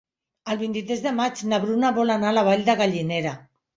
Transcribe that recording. El vint-i-tres de maig na Bruna vol anar a la Vall de Gallinera.